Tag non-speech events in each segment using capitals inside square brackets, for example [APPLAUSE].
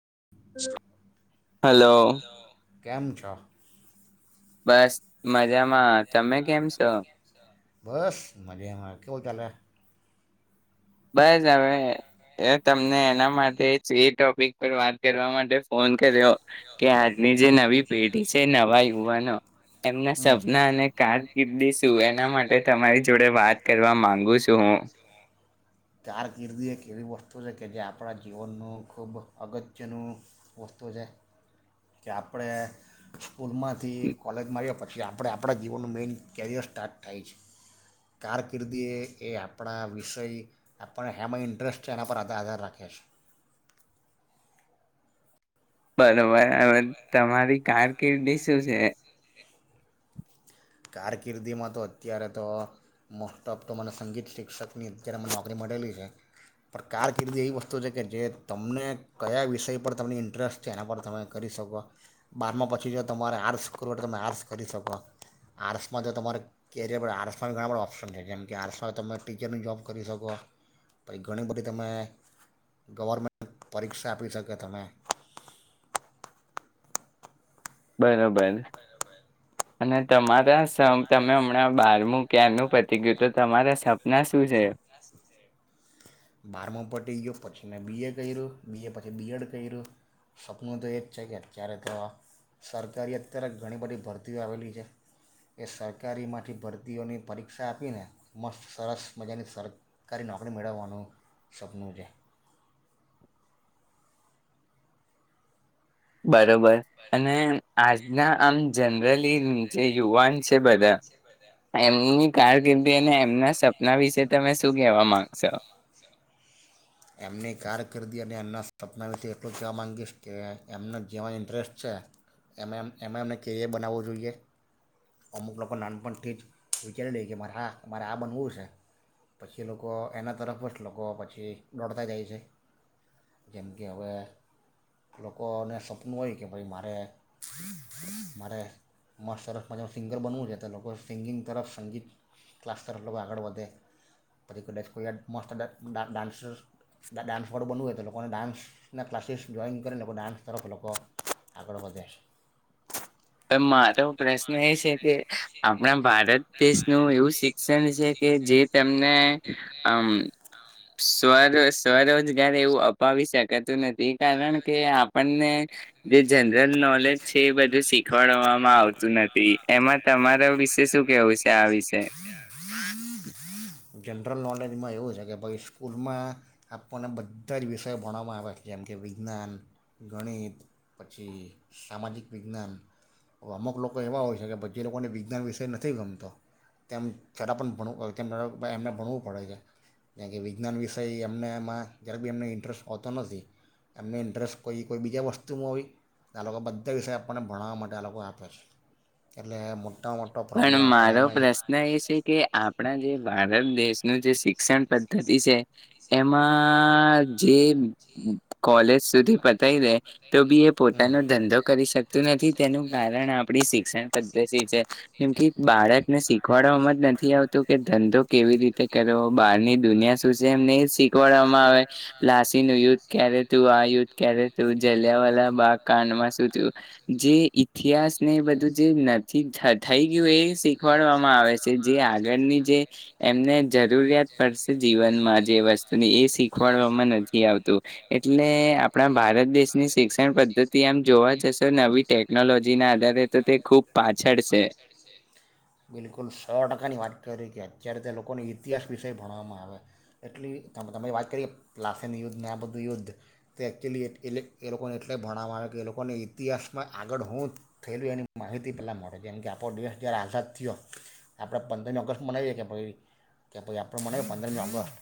હમ hello કેમ છ બસ મજામાં તમે કેમ છો બસ મજેમાં કેવલ ચલે બસ હવે તમને એના માટે જ એ ટોપિક વાત કરવા માટે ફોન કર્યો કે આજની જે નવી પેઢી છે નવા યુવાનો એમના હમ સપના અને કાર કીદી શું એના માટે તમારી જોડે વાત કરવા માંગુ છું હું કારકિર્દી એક એવી વસ્તુ છે કે જે આપણા જીવનનું ખૂબ અગત્યનું વસ્તુ છે કે આપણે સ્કૂલ માંથી કોલેજમાં આવ્યો પ પછી આપણે આપણા જીવનનું મેઈન કેરિયર સ્ટાર્ટ થાય છે કારકિર્દી એ એ આપણા વિષય આપણ એમાં ઇન્ટરેસ્ટ છે એના પર આધાર આધાર રાખે છે બરોબર હ તમારી કારકિર્દી શું છે કારકિર્દીમાં તો અત્યારે તો મોસ્ટ ઓફ તો મને સંગીત શિક્ષકની અત્યારે મને નોકરી મળેલી છે પણ કારકિર્દી એવી વસ્તુ છે કે જે તમને કયા વિષય પર તમને ઇન્ટરેસ્ટ છે એના પર તમે કરી શકો બારમાં પછી જો તમારે આર્ટ્સ કરવું હોય તો તમે આર્ટ્સ કરી શકો આર્ટ્સમાં તો તમારે કેરિયર આર્ટ્માં ઘણા બધા ઓપ્શન છે જેમ કે આર્ટ્સમાં તમે ટીચરની જોૉબ કરી શકો પછી ઘણી બધી તમે ગવર્મેન્ટ પરીક્ષા આપી શકો તમે બરોબર અને તમારા તમે હમણાં બારમું ક્યાંનું પતી ગયું તો તમારા સપના શું છે બારમાં પટી ગયો પછી મેં બી એ કર્યું બી એ પછી બી એડ કર્યું સપનું તો એ જ છે કે અત્યારે તો સરકારી અત્યારે ઘણી બધી ભરતીઓ આવેલી છે એ સરકારીમાંથી ભરતીઓની પરીક્ષા આપીને મસ્ત સરસ મજાની સરકારી નોકરી મેળવવાનું સપનુંરે બસ બરોબર અને આજ ના આમ જનરલી જે યુવાન છે બધા એમની કારકિર્દી અને એમના સપના વિશે તમે શું કેહેવા માંગશો એમની કારકિર્દી અને એમના સપના વિશે એટલું કહેવા માગીશ કે એમના જેવા ઇન્ટરેસ્ટ છે એ એમ એમાં એમને કેરિયર બનાવવું જોઈએ અમુક લોકો નાનપણથી જ વિચારી લે કે મારે હા મારે આ બનવું છે પછી એ લોકો એના તરફ જ જ લોકો પછી દોડતા જાય છે જેમ કે હવે લોકોને સપનું હોય કે ભાઈ મારે મારે મસ્ત તરસ માા સિંગર બનવું છે તો લોકો સિંગિંગ તરફ સંગીત ક્લાસ તરફ લોકો આગળ વધે પછી કચ કો મસ્ત ડાન્સસ ડાન્સ વોડ બનવું હોય તો લોકોને ડાન્સના ક્લાસીસ જોઈન કરીને લોકો ડાન્સ તરફ લોકો આગળ વધ્યા છે મારો પ્રશ્ન એ છે કે આપણા ભારત દેશનું એવું શ છે કે જે તમને સ્વ સ્વરોજગાર એવું અપાવી શકાતું નથી તે કારણ કે આપ આપને જે જ નોલેજ છે એ બધું શીખ બું શીખવાતું નથી તમારા એમાં વિશે શું તમારા કેવું છે વિશે આ શ કેવું છે જનરલ નોલેજમાં એવું છે કે ભાઈ સ્કૂલમાં આપણને બધા જ વિષયો ભણવામાં આવે છે જેમ કે વિજ્ઞાન ગણિત પછી સામાજિક વિજ્ઞાન અમુક લોકો એવા હોય છે કેધ જે લોકોને વિજ્ઞાન વિષય નથી ગમતો તેમ છતાં પણણું એમને ભણવું પડે છે જેમ કે વિજ્ઞાન વિષય એમને એમાં જ્યારેક બી એમને ઇન્ટરેસ્ટ આવતો નથી એમને ઇન્ટરેસ્ટ કોઈ કોઈ બીજા વસ્તુમાં હોય આ લોકો બધા વિષય આપણને ભણાવવા માટે આ લોકો આપે છે એટલે મો પણ મારો પ્રશ્ન એ છે કે આપણા જે ભારત દેશ નું જે શિક્ષણ પદ્ધતિ છે એમાં જે કોલેજ સુધી પતાવી દે તો બી એ હમ પોતાનો ધંધો કરી શકતું નથી તેનું કારણ આપ આપણી શિક્ષણ પદ્ધતિ છે જેમ કે બાળકને શીખવાડવામાં જ નથી આવતું કે ધંધો કેવી રીતે કરવો બહારની દુનિયા શું છે એમ નહી શીખવાડવામાં આવે લાસીનુંું યુદ્ધ ક્યારે તું આ યુદ્ધ ક્યારે તું જલ્યાવાલા બા કાનમાં શું થયું જે ઈતિહાસ ને એ બધું જે નથીત થઈ ગયું એ શીખવાડવામાં આવે છે. જે આગળની જે એમને જરૂરિયાત પડશે જીવનમાં જે વસ્તુની એ શીખવાડવામાં નથી આવતું એટલે આપણા ભારત દેશની શિક્ષણ પદ્ધતિ આમ જોવા જશો નવી ટેકનોલોજી ના આધારે તો તે ખુબ પાછળ છે. બિલકુલ સો ટકાની વાત કરી કે અત્યારે તો લોકોને ઇતિહાસ વિશેય ભણવામાં આવે એટલી તમે વાત કરીએ લશન યુદ્ધ ને આ બધું યુદ્ધ તે એક્ચ્યુઅલી એટલે એ લોકોને એટલે ભણાવવામાં આવે કે એ લોકોને ઇતિહાસમાં આગળ હું થયેલું એની માહિતી પહેલાં મળે જેમ કે આપણો દેશ જ્યારે આઝાદ થયો આપણે પંદરમી ઓગસ્ટ મનાવીએ કે ભાઈ કે ભાઈ આપણું મનાવીએ પંદરમી ઓગસ્ટ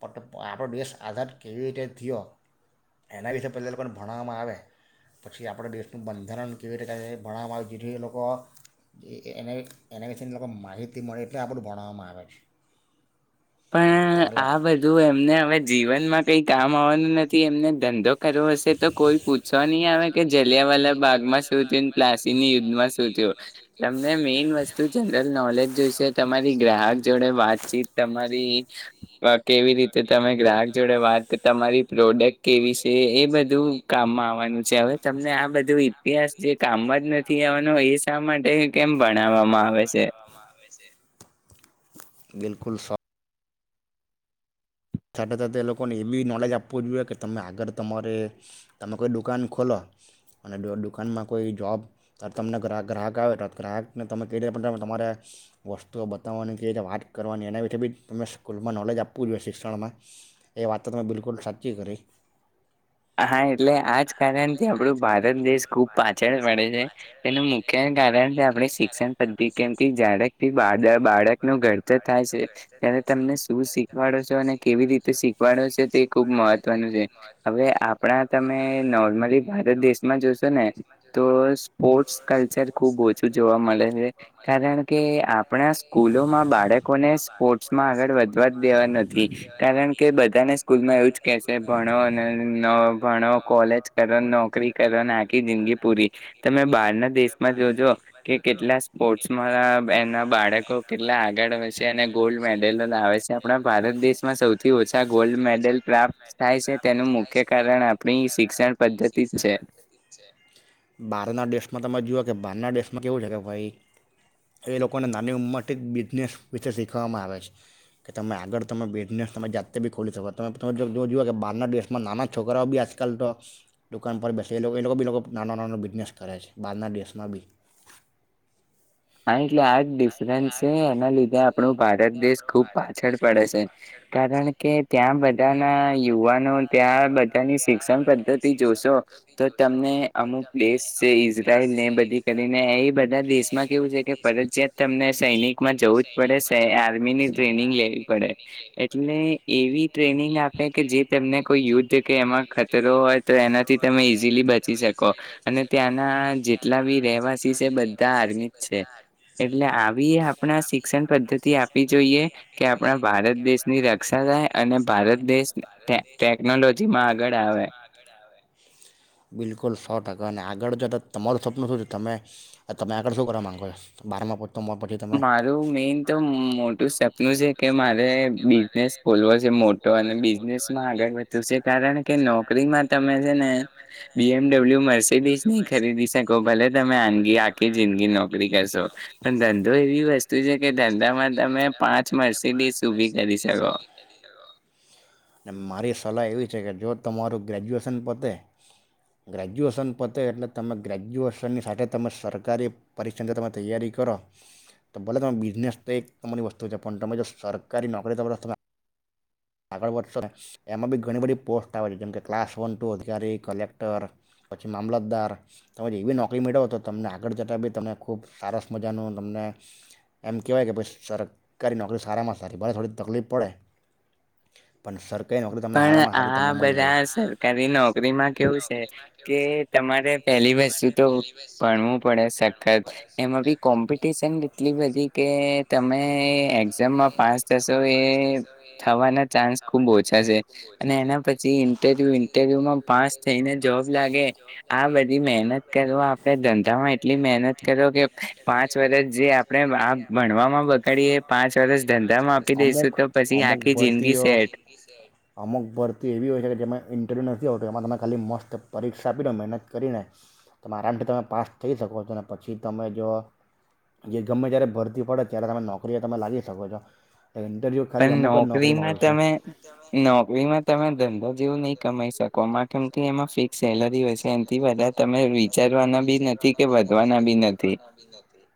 પણ આપણો દેશ આઝાદ કેવી રીતે થયો? એના વિશે પહેલા લોકોને ભણાવવામાં આવે પછી આપણે દેશનું બંધારણ કેવી રીતે ભણાવવામાં આવે જેથી એ લોકો એ એનેએના વિશેની લોકો માહિતી મળે એટલે આપણું ભણાવવામાં આવે છે પણ તમારી આ બધું એમને હવે જીવનમાં કઈ કામ વાનું નથી એમને ધંધો કરવો હશે તો કોઈ પૂછવા નહી આવે કે જલિયા વાલા બાાગમાં શું થયું, પ્લાસીની યુદ્ધમાં શું થયું. તમને મેઈન વસ્તુ જનરલ નોલેજ જોશે, તમારી ગ્રાહક જોડે વાતચીત તમા કેવી રીતે તમે ગ્રાહક જોડે વાત, તમારી પ્રોડક્ટ કેવી શે? બધું કામમાં આવવાનું છે હવે તમને આ બધું ઇતિહાસ જે કામમાં જ નથી આવવાનો એ શા માટે એ કેમ ભનાવામાં આવે છે? બિલકુલ શો સાથે સાથે લોકોને એ બી નોલેજ આપવું જોઈએ કે તમે આગર તમારે તમે કોઈ દુકાન ખોલો અને દુકાનમાં કોઈ જોબ તમને ગ્રાહક આવે તો ગ્રાહકને તમે કઈ રીતે તમારે વસ્તુઓ બતાવવાની, ક રીતે વાત કરવાની એના વિશેે બી તમે સ્કૂલમાં નોલેજ આપવું જોઈએ. શિક [UNINTELLIGIBLE] માં એ વાતો મેં બિલકુલ સાચી કરી. હા એટલે આજ કારણથી આપણું ભારત દેશ ખુબ પાછળ પડે છે તેનું મુખ્ય કારણ તો આપડી શિક્ષણ પદ્ધિ કેમ કે જયારે બાળ બાળકનું ઘરતર થાય છે ત્યારે તમને શું શીખવાડો શો અને કેવી રીતે શીખવાડો શો તે ખુબ મહત્વનું છે. હવે આપણા તમે નોર્મલી ભારત દેશમાં જોશો ને તો સ્પોર્ટ્સ કલ્ચર ખૂબ ઓછું જોવા મલે હે કારણ કે આપણા સ્કૂલોમાં બાળકોને સ્પોર્ટ્સમાં આગળ વધવા દેવા ન કારણ કે બધાને સ્કૂલમાં એવું જ કેશે ભણો અને નો ભણો, કોલેજ કરો, નોકરી કરોને, આખી જિંદગી પૂરી તમે બાર ના દેશમાં જોજો કે કેટલા સ્પોર્ટ્સમાં એના બાળકો કેટલા આગળ હોય છે અને ગોલ્ડ મેડલો લાવે છે. આપણા દેશમાં સૌથી ઓછા ગોલ્ડ મેડલ પ્રાપ્ત થાય શે તેનું મુ જ છે બાર ના દેશમાં તમે જુઓ કે બહારના દેશમાં કેવું છે કે ભાઈ એ લોકોને નાની ઉંમરથી બિઝનેસ વિશે શીખવામાં આવે છે કે તમે આગળ તમે બિઝનેસ તમે જાતે બી ખોલી શકો તમે તમે જો જુઓ કે બારના દેશમાં નાના છોકરાઓ બી આજકાલ તો દુકાન પર બેસે એ લોકો એ લોકો બી નાનો નાનો બિઝનેસ કરે છે. બહારના દેશમાં બી હાય. એટલે આ જ ડિફરન્સ છે એના લીધે આપણો ભારત દેશ ખૂબ પાછળ પડે છે કારણ કે ત્યાં બધાના યુવાનો ત્યાં બધાની શિક્ષણ પદ્ધતિ જોશો તો તમને અમુક દેશ છે ઈઝરાયલ ને બધી કરીને એ બધા દેશમાં કેવું છે કે ફરજિયાત તમને સૈનિકમાં જવું જ પડે આર્મી ની ટ્રેનિંગ લેવી પડે એટલે એવી ટ્રેનિંગ આપે કે જે તમને કોઈ યુદ્ધ કે એમાં ખતરો હોય તો એનાથી તમે ઈઝીલી બચી શકો અને ત્યાંના જેટલા બી રહેવાસી છે બધા આર્મી છે. છે. એટલે આવી એટલે આપણા આપીએ શિક્ષણ પદ્ધતિ આપવી જોઈએ કે આપણા ભારત દેશની રક્ષા થાય અને ભારત દેશ ટે ટેકનોલોજીમાં આગળ આવે આપણે અને આગળ જો ત તમારું સપનું શું છે? તમે તમે આગળ બારમાં પ મારું મેઈન તો મોટું સપનું છે કે મારે બિઝનેસ ખોલવો છે મોટો અને બિઝનેસ માં આગળ વધવું છે કારણ કે નોકરીમાં તમે છે ને બીએમડબલ્યુ મસી બીજ નહી ખરીદી શકો ભલે તમે આગી આખી જિંદગી નોકરી કરો [UNINTELLIGIBLE] ધંધો એવી વસ્તુ છે ધંધામાં કે તમે ધામાં પાંચ તમે પાચ મર્સિડીઝ ઊભી કરી મસીડીસ શકો ઉભી કરી શકો સલાહ એવી છે કે જો તમારું ગ્રેજ્યુએશન પતે ગ્રેજ્યુએશન પતે એટલે તમે ગ્રેજ્યુએશનની સાથે તમે સરકારી પરરી્ંદ તમે તૈયારી કરો તો ભલે તમે બિઝનેસ તો એક તમારી વસ્તુ છે પણ તમે જો સરકારી નોકરી તો બ તમે આગળ વધશો એમાં બી ઘણી બધી પોસ્ટ આવે છે જેમકે ક્લાસ વન ટુ અધિકારી કલેક્ટર પછી મામલતદાર તમે જેવી નોકરી મેળવો તો તમને આગળ જતાં બી તમને ખૂબ સારસ મજાનું તમને એમ કહેવાય કે ભ સરકારી નોકરી સારામાં સારી ભલે થોડી તકલીફ પડે કાર પણ તમનેારામાંરી આ તમને મળી હ બધા સરકારી બા નોકરીમાં સરકાર કેવું છે નોકરીમાં કે કેવું છેણું તમારે પહેલી વસ્તુ તો ભણવું પડે સખત એમાં બી કોમ્પિટિશન એટલી બધી કે પડેમડી તમે એક્ઝામમાં પાસ થશો એ જાય [UNINTELLIGIBLE] થવાના ચાન્સ ખૂબ ઓછા અને એના પછી ઇરવ્યુ ઇન્ટરવ્યુમાં પાસ થઈને જોબ લાગે આ બધી મહેનત કરો આપણે ધંધામાં એટલી મહેનત કરો કે પાંચ વર્ષ જે આપણે આ ભણમાં બગડીએ પાંચ વર્ષ ધંધામાં આપી દઈશું તો પછી આખી જિંદગી છેઠ અમુક ભરતી એવી હોય છે કે જે ઇન્ટરવ્યુ નથી હોતો એમાં તમે ખાલી મસ્ત પરીક્ષા આપી દો મહેનત કરીને તમે આરામથી તમે પાસ થઈ શકો છો અને પછી તમે જો જે ગમે જ્યારે ભરતી પડે ત્યારે તમે નોકરીએ તમે લાગી શકો છો એ ઇન્ટરવ્યુ ખાલી અમુક નોકરી નોરીમાં તમે નોકરીમાં તમે ધંધા જેવું નહી કમાઈ શકો કોમા કેમથી એમાં ફિક્સ સેલરી હશે એથી બધારે તમે વીકલી વિચારવાના બી નથી કે નથી વધવાનાી નથી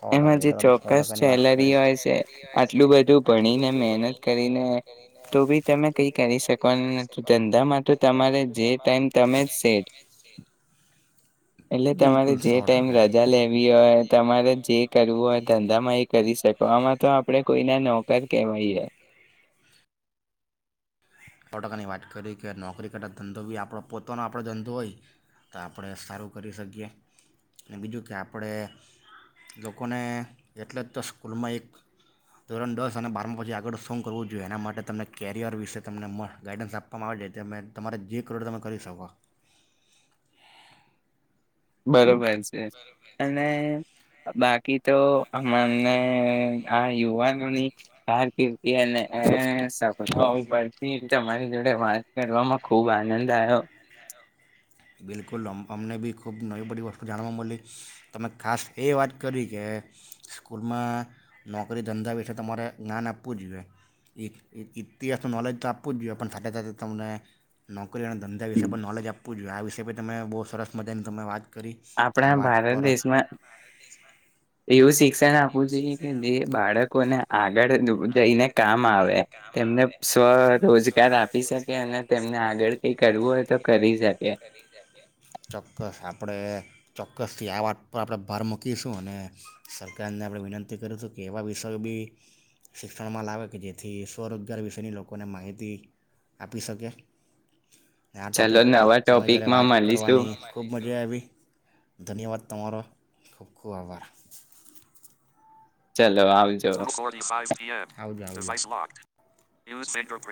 સો એમાં જે ટકામે સો ચોક્કસ ટકાની વાત સે સેલરી હોય છે આટલું બધું એટલું ભણીને બધું મહેનત ભણીને મે કરીને કરીને તો બી તમે તો કઈ બી કરી તમે કઈ કરી શકવાના નથી શકો ધંધામાં તો તમારે ધંધામાં તો જે તમારે ટાઈમ જે તમે જ સેટ તમે સેટ એટલે તમારે જે ટાઈમ રજા લેવી હોય તમારે જે કરવું હોય ધંધામાં એ કરી શકો આમાં તો આપડે કોઈને નો [INAUDIBLE] સો ટકાની વાત કરી કે નોકરી કરતા ધંધો બી આપણો પોતાનો આપણો ધંધો હોય તો આપણે સારું કરી શકીએ અને બીજું કે આપણે લોકોને એટલે જ તો સ્કૂલમાં એક ધોરણ દસ અને બારમાં પછી આગળ શું કરવું જોઈએ એના માટે તમને કેરિયર વિશે તમને ગાઈડન્સ આપવામાં આવે છે તમારે જે કરોડ તમે કરી શકો બરોબર અને બાકી તો મને આ યુવાનોની કારકિર્દી અને સપતી તમારી જોડે વાત કરવામાં ખુબ આનંદ આવ્યો બિલકુલમ અમને બી ખૂબ નવી બધી વસ્તુ જાણવા મળલી તમે ખાસ એ વાત કરી કે સ્કૂલમાં નોકરી ધંધા વિશે તમારે જ્ઞાન આપવું જોઈએ ઇતિહાસનું નોલેજ તો આપવું જ જોઈએ પણ સાથે સાથે તમને નોક તે ના ધંધા વિશેય પણ નલેજ આપ જો આ વિષશે પણ તમે બહુ સરસ મજાની તમે વાત કરી આ આપણા વાત ભારત પર દેશમાં એવું શે તેને આપવું જોઈએ કે જે બાળકોને આગળડ આગળ દૂર જઈને કામ આવે તેમને સ્વ સ્વરોજગાર આપી શકે રજગાર અને આપી તેમને શકે અને આગળ કઈ તેમને કરવું હોય આગળ તો કરી કરવું હોય તો શકે કરી શ ચોક્કસ આપડે ચોક્કસથી આ વાત પર આપણે ભાર મૂકીશું અને સરકારને આપણે વિનંતી કરીશું કે એવા વિષયો બી શિક્ષણમાં લાવે કે જેથી સ્વરોજગાર વિશેની લોકોને માહિતી આપી શકે આ ચલો ટોપિક પર નવા તમારે જ્યારે ટોપિકમાં વાત મળીશું કરવાની ખૂબ મજા આવી ધન્યવાદ તમારો ખુબ ખુબ આભાર ચાલ શું કો પાાઈી [INAUDIBLE]